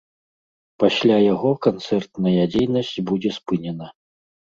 Пасля яго канцэртная дзейнасць будзе спынена.